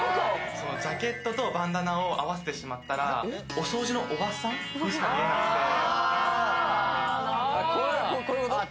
そのジャケットとバンダナを合わせてしまったらお掃除のおばさんにしか見えなくてああ